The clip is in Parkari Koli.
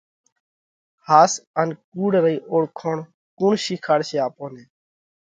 ۿاس ان ڪُوڙ رئِي اوۯکوڻ ڪُوڻ شِيکاڙشي آپون نئہ؟